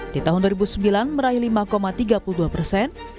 di tahun dua ribu sembilan meraih lima tiga puluh dua persen